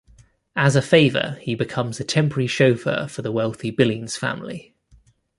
As a favor, he becomes a temporary chauffeur for the wealthy Billings family.